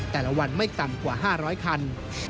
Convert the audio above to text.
แต่ละวันไม่ต่ำกว่า๕๐๐คัน